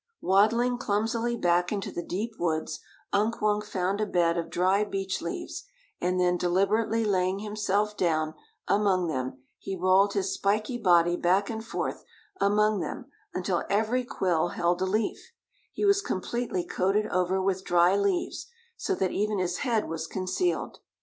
Waddling clumsily back into the deep woods, Unk Wunk found a bed of dry beech leaves, and then deliberately laying himself down among them, he rolled his spiky body back and forth among them until every quill held a leaf; he was completely coated over with dry leaves, so that even his head was concealed.